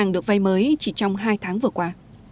được vai mới chỉ trong hai tháng vừa qua